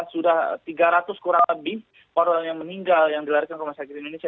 sudah tiga ratus kurang lebih korban yang meninggal yang dilarikan ke rumah sakit indonesia